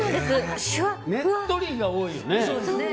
ねっとりが多いよね。